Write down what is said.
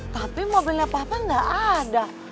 tapi mobilnya papa enggak ada